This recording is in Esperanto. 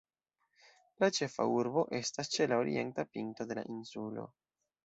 La ĉefa urbo estas ĉe la orienta pinto de la insulo.